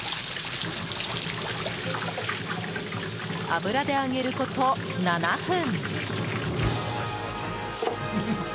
油で揚げること、７分。